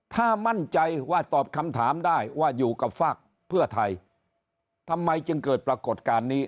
ถ้ามั่นใจว่าตอบคำถามได้ว่าอยู่กับฝากเพื่อไทยทำไมจึงเกิดปรากฏการณ์นี้